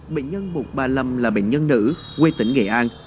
bệnh nhân một trăm ba mươi năm là bệnh nhân nữ quê tỉnh nghệ an